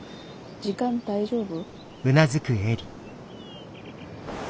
時間大丈夫？